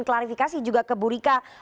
klarifikasi juga ke burika